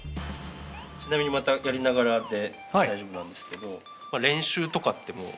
ちなみにまたやりながらで大丈夫なんですけど。